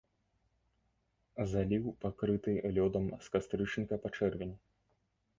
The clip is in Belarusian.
Заліў пакрыты лёдам з кастрычніка па чэрвень.